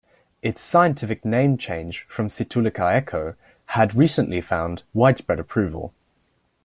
Its scientific name change from "Psittacula echo" had recently found widespread approval.